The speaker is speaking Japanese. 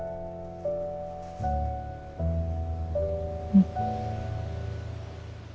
うん。